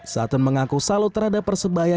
satun mengaku salut terhadap persibaya